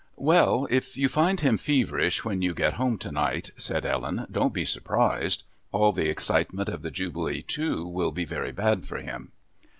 "Well, if you find him feverish when you get home tonight," said Ellen, "don't he surprised. All the excitement of the Jubilee too will be very bad for him."